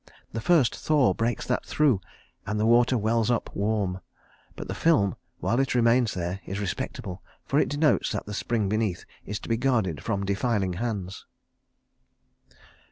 The first thaw breaks that through, and the water wells up warm. But the film, while it remains there, is respectable; for it denotes that the spring beneath is to be guarded from defiling hands."